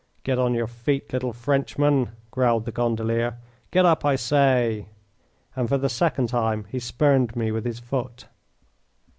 "Get on your feet, little Frenchman," growled the gondolier. "Get up, I say," and for the second time he spurned me with his foot.